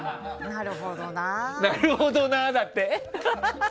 なるほどなだって。